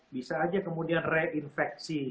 bisa aja kemudian reinfeksi